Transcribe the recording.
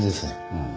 うん。